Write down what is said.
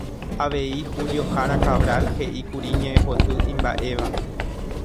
Avei Julio Jara Cabral heʼíkuri ñeʼẽpoty imbaʼéva.